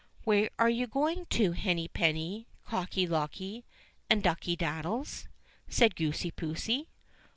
"Where are you going to, Henny penny, Cocky locky, and Ducky daddies?" said Goosey poosey.